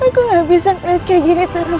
aku gak bisa ngeliat kayak gini terus